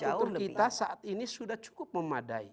struktur kita saat ini sudah cukup memadai